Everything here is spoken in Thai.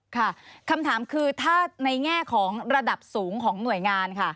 ค่ะคำถามคือถ้าในแง่ของระดับสูงของหน่วยงานค่ะ